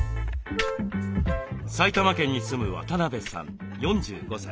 埼玉県に住む渡邉さん４５歳。